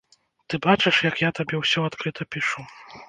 Ты бачыш, як я табе ўсё адкрыта пішу.